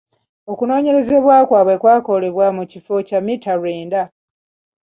Okunoonyereza kwabwe kwakolebwa mu kifo kya mmita lwenda.